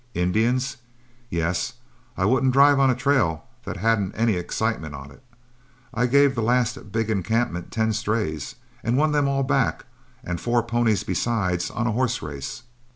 Indians? Yes; I wouldn't drive on a trail that hadn't any excitement on it. I gave the last big encampment ten strays, and won them all back and four ponies besides on a horse race.